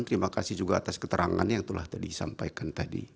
terima kasih juga atas keterangan yang telah tadi disampaikan